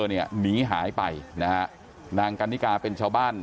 อันนี้หายไปนะครับนางกันนิกาเป็นชาวบ้าน